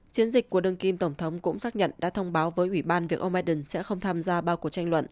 chiến dịch của đường kim tổng thống cũng xác nhận đã thông báo với ủy ban việc ông biden sẽ không tham gia ba cuộc tranh luận